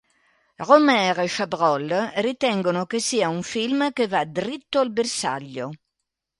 Rohmer e Chabrol ritengono che sia un film che va dritto al bersaglio.